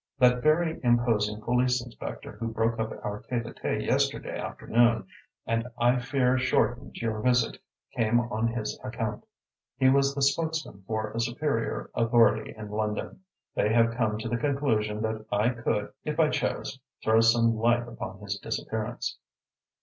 That very imposing police inspector who broke up our tête a tête yesterday afternoon and I fear shortened your visit came on his account. He was the spokesman for a superior authority in London. They have come to the conclusion that I could, if I chose, throw some light upon his disappearance."